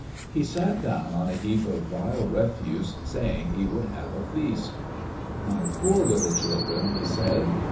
He sat down on a heap of vile refuse, saying he would have a feast. "My poor little children," he said.